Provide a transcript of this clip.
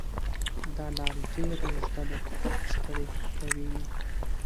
دا لار ډېره اوږده ده ستړی کوی مې